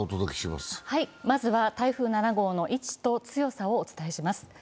まずは台風７号の位置と強さをお伝えします。